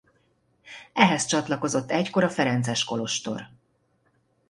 Ehhez csatlakozott egykor a ferences kolostor.